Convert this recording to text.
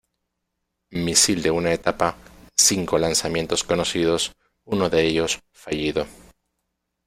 Misil de una etapa, cinco lanzamientos conocidos, uno de ellos fallido.